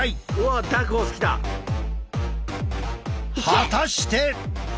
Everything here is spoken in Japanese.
果たして。